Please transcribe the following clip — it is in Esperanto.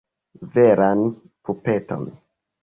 Veran pupeton.